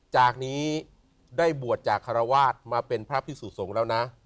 จากนี้ได้บวชจากคารวาสมาเป็นพระพิสุสงฆ์แล้วนะ